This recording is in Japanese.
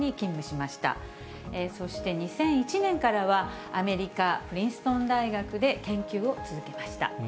そして２００１年からはアメリカ・プリンストン大学で研究を続けました。